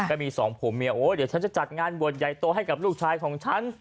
ก็มีสองผัวเมียโอ้เดี๋ยวฉันจะจัดงานบวชใหญ่โตให้กับลูกชายของฉัน